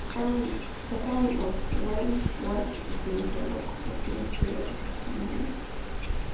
The town of Wentworth is in the local government area of the same name.